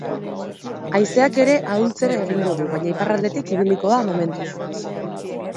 Haizeak ere ahultzera egingo du, baina iparraldetik ibiliko da momentuz.